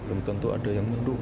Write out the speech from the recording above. belum tentu ada yang mendukung